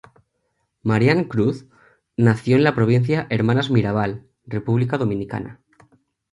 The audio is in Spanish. Marianne Cruz nació en la provincia Hermanas Mirabal, República Dominicana.